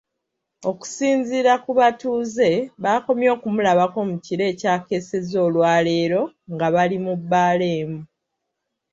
Okusinziira ku batuuze, bakomye okumulabako mu kiro ekyakeesezza olwaleero nga bali mu bbaala emu.